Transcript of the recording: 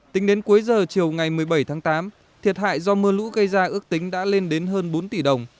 tính đến cuối giờ chiều ngày một mươi bảy tháng tám thiệt hại do mưa lũ gây ra ước tính đã lên đến hơn bốn tỷ đồng